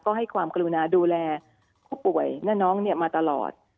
ก็ให้ความกรุณาดูแลผู้ป่วยและน้องมาตลอด